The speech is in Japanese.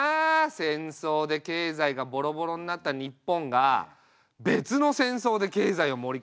戦争で経済がボロボロになった日本が別の戦争で経済を盛り返すってねえ。